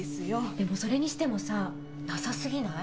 でもそれにしてもさなさ過ぎない？